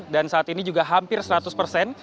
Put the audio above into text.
dan saat ini juga hampir seratus persen